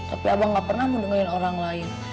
tapi abah gak pernah mendengarin orang lain